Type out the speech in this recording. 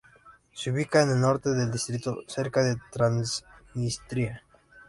Se ubica en el norte del distrito, cerca de Transnistria.